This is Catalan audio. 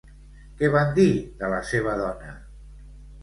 Què van dir de la seva dona?